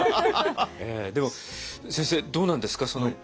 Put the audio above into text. でも先生どうなんですか？